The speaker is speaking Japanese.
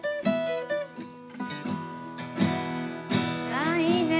ああいいね。